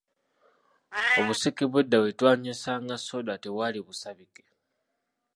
Obuseke bw'edda bwe twanywesanga sooda tebwali busabike.